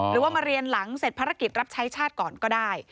หรือว่ามาเรียนหลังเสร็จภารกิจรับใช้ชาติก่อนก็ได้